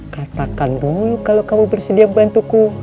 katakan dulu kalau kamu bersedia membantuku